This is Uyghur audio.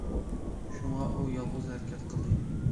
شۇڭا ئۇ يالغۇز ھەرىكەت قىلدى.